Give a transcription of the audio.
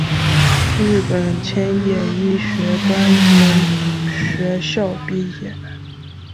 日本千叶医学专门学校毕业。